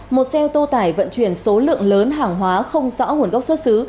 một xe ô tô tải vận chuyển số lượng lớn hàng hóa không rõ nguồn gốc xuất xứ